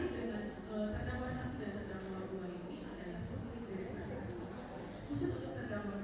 tidak ada yang menurut saya